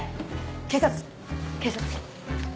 警察警察。